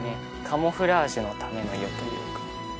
カモフラージュのための色というか。